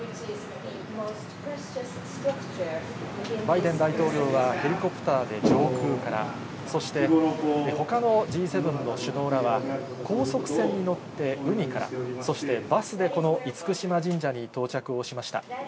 バイデン大統領はヘリコプターで上空から、そして、ほかのＧ７の首脳らは高速船に乗って海から、そしてバスでこの厳島神社に到着をしました。